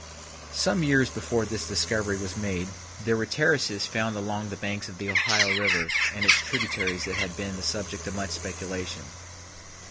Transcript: Some years before this discovery was made there were terraces found along the banks of the Ohio River and its tributaries that had been the subject of much speculation.